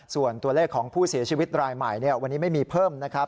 ส่วนตัวเลขของผู้เสียชีวิตรายใหม่วันนี้ไม่มีเพิ่มนะครับ